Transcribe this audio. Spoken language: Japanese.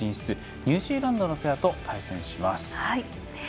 ニュージーランドのペアと対戦します。